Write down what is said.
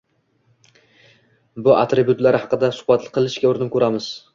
Bu «atribut»lar haqida suhbat qilishga urinib ko‘ramiz.